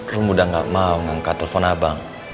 rum udah gak mau nge angkat telpon abang